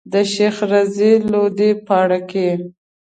د شيخ رضی لودي پاړکی.